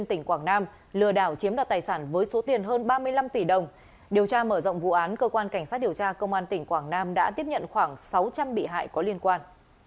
tỉnh quảng nam lừa đảo chiếm đoạt tài sản với số tiền hơn ba mươi năm tỷ đồng điều tra mở rộng vụ án cơ quan cảnh sát điều tra công an tỉnh quảng nam đã tiếp nhận khoảng sáu trăm linh bị hại có liên quan